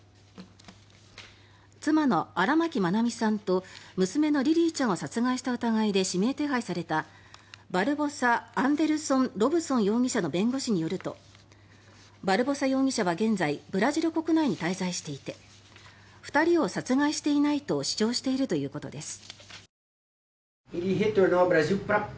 妻の荒牧愛美さんと娘のリリィちゃんを殺害した疑いで指名手配されたバルボサ・アンデルソン・ロブソン容疑者の弁護士によるとバルボサ容疑者は現在ブラジル国内に滞在していて２人を殺害していないと主張しているということです。